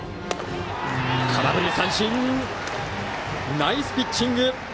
空振り三振！ナイスピッチング。